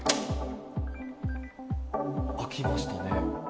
開きましたね。